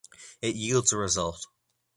It yields a result.